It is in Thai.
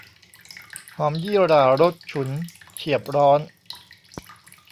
หอมยี่หร่ารสฉุน เฉียบร้อน